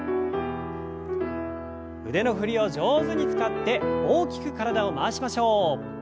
腕の振りを上手に使って大きく体を回しましょう。